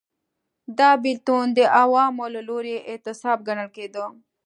دا بېلتون د عوامو له لوري اعتصاب ګڼل کېده.